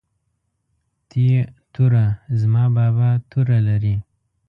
ت توره زما بابا توره لري